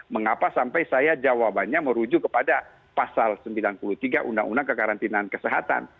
mengapa sampai saya jawabannya merujuk kepada pasal sembilan puluh tiga undang undang kekarantinaan kesehatan